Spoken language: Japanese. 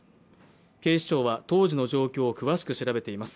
警視庁は当時の状況を詳しく調べています。